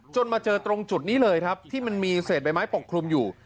มาเจอตรงจุดนี้เลยครับที่มันมีเศษใบไม้ปกคลุมอยู่